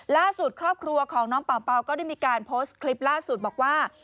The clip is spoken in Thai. ล่าสุดครอบครัวของน้องเป่าก็ได้มีการโพสต์คลิปล่าสุดบอกว่า